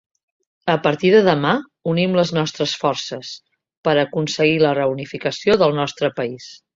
A partir de demà, unim les nostres forces... per aconseguir la reunificació del nostre país.